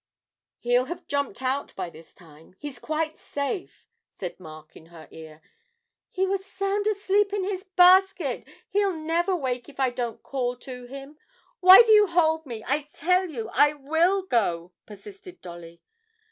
'He'll have jumped out by this time he's quite safe,' said Mark in her ear. 'He was sound asleep in his basket, he'll never wake if I don't call to him why do you hold me? I tell you I will go!' persisted Dolly.